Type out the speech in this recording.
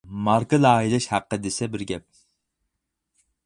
ماركا لايىھەلەش ھەققى دېسە بىر گەپ.